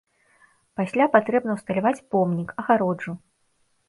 Пасля патрэбна ўсталяваць помнік, агароджу.